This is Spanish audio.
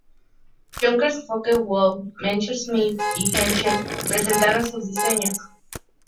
Junkers, Focke-Wulf, Messerschmitt y Henschel presentaron sus diseños.